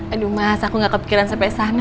aduh mas aku gak kepikiran sampai sana